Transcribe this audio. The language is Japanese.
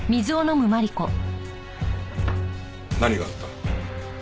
何があった？